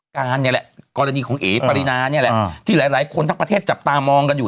กรณีของเอ๋ปรินาที่หลายคนทั้งประเทศจับตามองกันอยู่